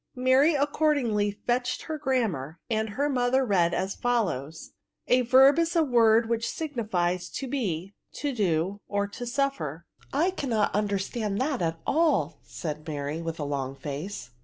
Mary accordingly fetched her grammar, and her mother read as follows :—*^ A Verb is a word which signifies to be, to do, or to suffer." ^' I cannot understand that at all>'' said Mary, with a long face.